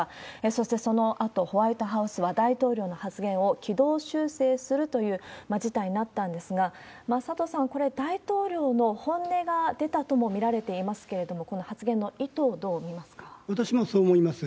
そしてそのあと、ホワイトハウスは大統領の発言を軌道修正するという事態になったんですが、佐藤さん、これ、大統領の本音が出たとも見られていますけれども、私もそう思います。